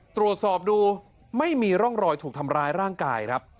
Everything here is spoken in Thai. ตรวจสอบดูไม่มีร่องรอยถูกทำร้ายร่างกายครับ